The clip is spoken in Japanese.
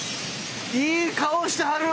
いい顔してはる！